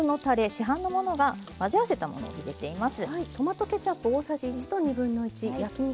市販のものが混ぜ合わせたものを入れています。